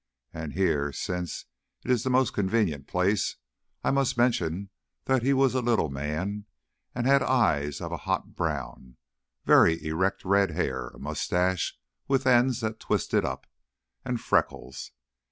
And here, since it is the most convenient place, I must mention that he was a little man, and had eyes of a hot brown, very erect red hair, a moustache with ends that he twisted up, and freckles.